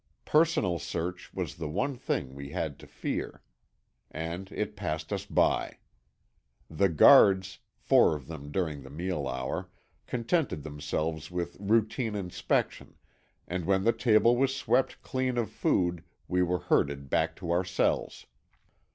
Personal search was the one thing we had to fear. And it passed us by. The guards—four of them during the meal hour—contented themselves with routine inspection, and when the table was swept clean of food we were herded back to our cells.